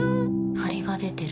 ハリが出てる。